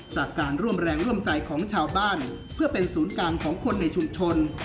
จากการร่วมแรงร่วมใจของชาวบ้านเพื่อเป็นศูนย์กลางของคนในชุมชน